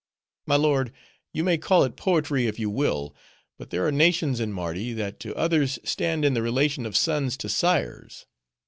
My lord, you may call it poetry if you will, but there are nations in Mardi, that to others stand in the relation of sons to sires.